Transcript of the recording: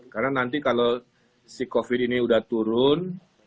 karena nanti kalau si covid ini udah turun